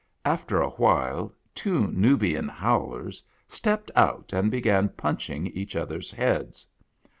After a while two Nubian Howlers stepped out and began punching each other's heads.